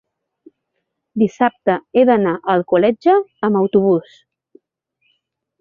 dissabte he d'anar a Alcoletge amb autobús.